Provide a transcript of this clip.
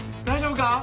大丈夫か？